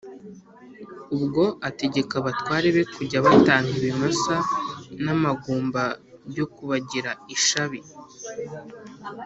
ubwo ategeka abatware be kujya batanga ibimasa n' amagumba byo kubagira lshabi.